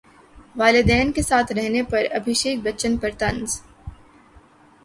والدین کے ساتھ رہنے پر ابھیشیک بچن پر طنز